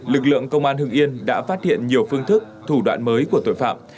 lực lượng công an hưng yên đã phát hiện nhiều phương thức thủ đoạn mới của tội phạm